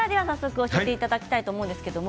早速、教えていただきたいと思います。